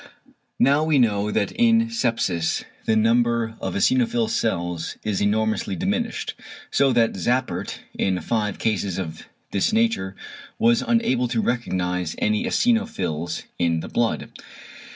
Now we know that in sepsis the number of eosinophil cells is enormously diminished, so that Zappert, in five cases of this nature, was unable to recognise any eosinophils in the blood.